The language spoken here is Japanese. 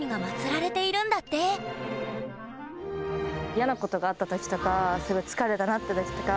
嫌なことがあった時とかすごい疲れたなって時とか